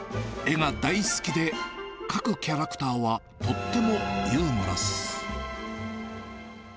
絵が大好きで、描くキャラクターはとってもユーモラス。